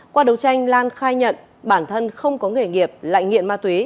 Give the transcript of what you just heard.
qua đấu tranh lan khai nhận bản thân không có nghề nghiệp lại nghiện ma túy